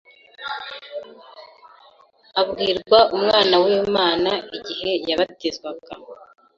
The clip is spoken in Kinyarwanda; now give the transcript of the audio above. abwirwa umwana w’Imana igihe yabatizwaga.